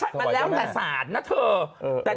หัวใจได้ตาม